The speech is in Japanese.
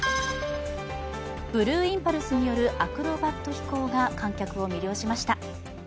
ブルーインパルスによるアクロバット飛行が観客を魅了しました。